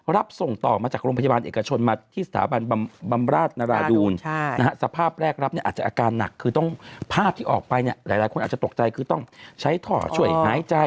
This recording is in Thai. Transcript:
รับส่งต่อมาจากโรงพยาบาลเอกชนมาที่สถาบันบำราชนราดูนสภาพแรกรับเนี่ยอาจจะอาการหนักคือต้องภาพที่ออกไปเนี่ยหลายคนอาจจะตกใจคือต้องใช้ท่อช่วยหายใจ